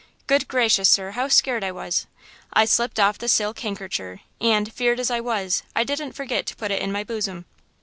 Good gracious, sir, how scared I was! I slipped off the silk handkercher, and 'feared as I was, I didn't forget to put it in my bosom.